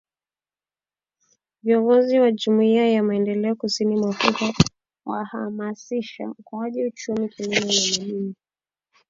Viongozi wa Jumuiya ya Maendeleo Kusini mwa Afrika wahamasisha ukuaji uchumi, Kilimo na Madini